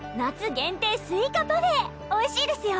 限定スイカパフェおいしいですよ。